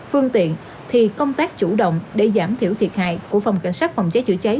phương tiện thì công tác chủ động để giảm thiểu thiệt hại của phòng cảnh sát phòng cháy chữa cháy